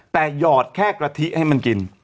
แต่หยอดแค่กะทิให้มันกิน